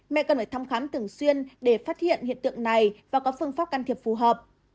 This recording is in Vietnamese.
mẹ cần phải thăm khám thường xuyên để phát hiện hiện tượng này và có phương pháp can thiệp phù hợp